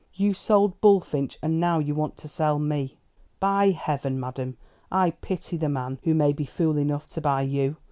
"You sold Bullfinch, and now you want to sell me." "By Heaven, madam, I pity the man who may be fool enough to buy you!"